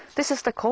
そうですね。